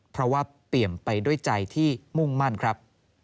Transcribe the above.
เพราะว่าเปลี่ยนไปด้วยใจที่มุ่งมั่นครับ